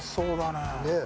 ねえ。